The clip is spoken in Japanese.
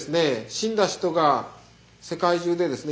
死んだ人が世界中でですね